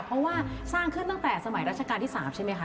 เพราะว่าสร้างขึ้นตั้งแต่สมัยราชการที่๓ใช่ไหมคะ